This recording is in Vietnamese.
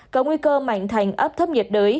có nguy cơ mạnh thành áp thấp nhiệt đới